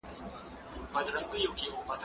زه ونې ته اوبه ورکړې دي؟!